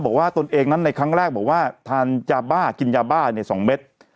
บอกว่าตนเองนั้นในครั้งแรกบอกว่าทานจาบ้ากินจาบ้าเนี่ยสองเม็ด